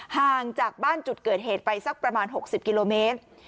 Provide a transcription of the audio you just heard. ห่างจากบ้านจุดเกิดเหตุไปสักประมาณ๖๐กิโลเมตร